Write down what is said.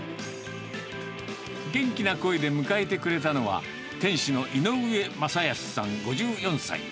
元気な声で迎えてくれたのは、店主の井上雅保さん５４歳。